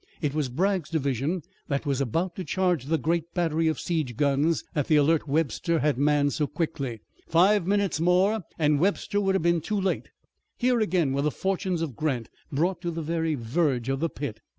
It was Bragg's division that was about to charge the great battery of siege guns that the alert Webster had manned so quickly. Five minutes more and Webster would have been too late. Here again were the fortunes of Grant brought to the very verge of the pit.